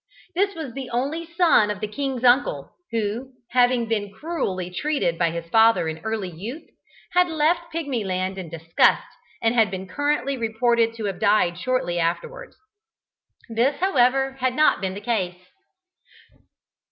This was the only son of the king's uncle, who, having been cruelly treated by his father in early youth, had left Pigmyland in disgust and had been currently reported to have died shortly afterwards. This, however, had not been the case.